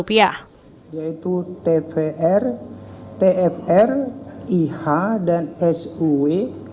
yaitu tvr tfr iha dan sue